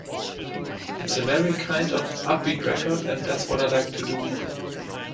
It's a very kind of upbeat record and that's what I like to do.